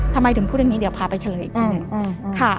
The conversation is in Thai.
ทำไมถึงพูดอย่างนี้เดี๋ยวพาไปเฉลยอีกทีหนึ่งค่ะ